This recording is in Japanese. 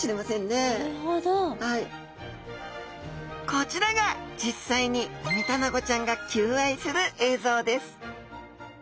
こちらが実際にウミタナゴちゃんが求愛する映像です。